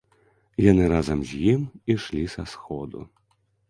Яны разам з ім ішлі са сходу.